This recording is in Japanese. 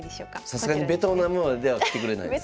さすがにベトナムまでは来てくれないですね。